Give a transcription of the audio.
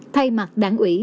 thay mặt đảng ủy